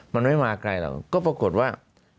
มันไม่มาไกลหรอกก็ปรากฏว่า